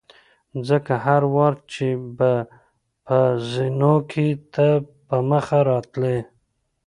ځکه هر وار چې به په زینو کې ته په مخه راتلې.